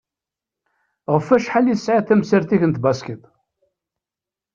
Ɣef acḥal i tesɛiḍ tamsirt-ik n tbaskit?